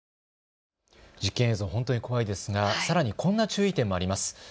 実験映像、ほんとに怖いですが、さらにこんな注意点もあります。